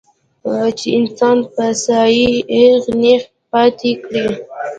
چې انسان پۀ ځائے اېغ نېغ پاتې کړي